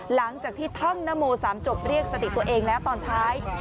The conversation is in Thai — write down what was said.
หลังจากที่ท่องนโม๓จบเรียกสติตัวเองแล้วตอนท้าย